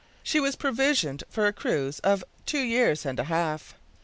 She was provisioned for a cruise of two years and a half.